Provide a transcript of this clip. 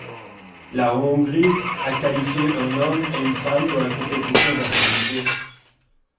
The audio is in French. La Hongrie a qualifié un homme et une femme dans la compétition d'agilité.